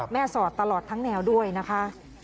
สอดตลอดทั้งแนวด้วยนะคะ